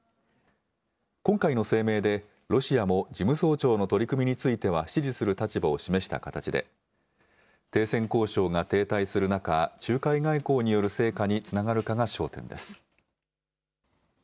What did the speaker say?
今回の声明でロシアも事務総長の取り組みについては支持する立場を示した形で停戦交渉が停滞する中、仲介外交による成果につながるかが焦点です。